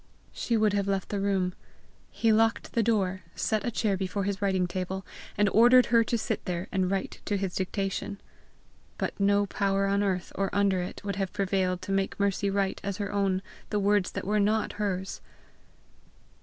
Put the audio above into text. She would have left the room. He locked the door, set a chair before his writing table, and ordered her to sit there and write to his dictation. But no power on earth or under it would have prevailed to make Mercy write as her own the words that were not hers.